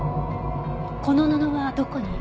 この布はどこに？